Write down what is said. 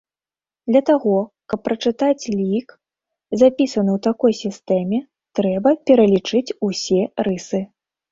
Для таго, каб прачытаць лік, запісаны ў такой сістэме, трэба пералічыць усе рысы.